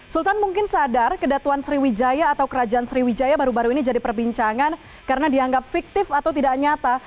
sultan mungkin sadar kedatuan sriwijaya atau kerajaan sriwijaya baru baru ini jadi perbincangan karena dianggap fiktif atau tidak nyata